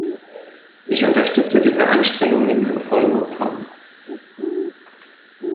Ich unterstütze diese Anstrengungen im vollen Umfang.